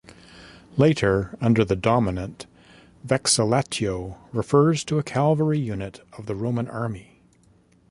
Later, under the Dominate, "vexillatio" refers to a cavalry unit of the Roman army.